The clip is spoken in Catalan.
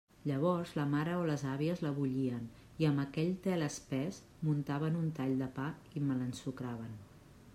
Llavors la mare o les àvies la bullien i amb aquell tel espès m'untaven un tall de pa i me l'ensucraven.